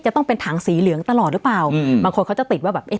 จะต้องเป็นถังสีเหลืองตลอดหรือเปล่าอืมบางคนเขาจะติดว่าแบบเอ๊